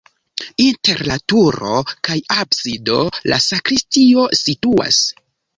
Inter la turo kaj absido la sakristio situas.